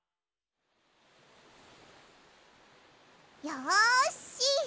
よし！